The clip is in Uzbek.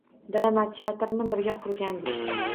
Drama teatrini birga qurgandik.